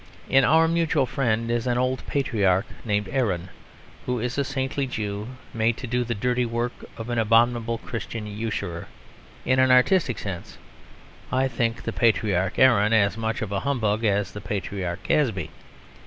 In Our Mutual Friend is an old patriarch named Aaron, who is a saintly Jew made to do the dirty work of an abominable Christian usurer. In an artistic sense I think the patriarch Aaron as much of a humbug as the patriarch Casby.